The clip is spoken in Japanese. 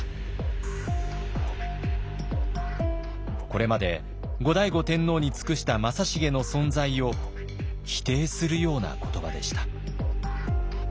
これまで後醍醐天皇に尽くした正成の存在を否定するような言葉でした。